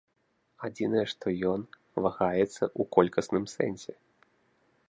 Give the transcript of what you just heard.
Адзінае, што ён вагаецца ў колькасным сэнсе.